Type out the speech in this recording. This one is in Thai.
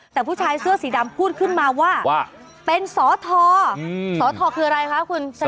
แต่ผู้ชายเสื้อสีดำพูดขึ้นมาว่าเป็นสอทอสอทอคืออะไรคะคุณ